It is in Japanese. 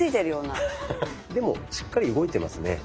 でもしっかり動いてますね。